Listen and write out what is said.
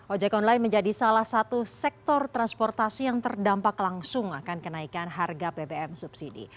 ojek online menjadi salah satu sektor transportasi yang terdampak langsung akan kenaikan harga bbm subsidi